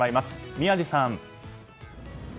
宮司さん。